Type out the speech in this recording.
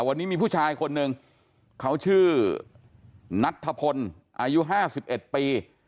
วันนี้มีผู้ชายคนหนึ่งเขาชื่อนัทธพลอายุ๕๑ปี